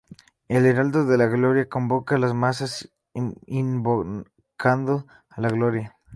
El Heraldo de la Gloria convoca a las masas invocando la Gloria.